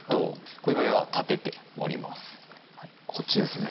こういう場合は立てて盛りますこっちですね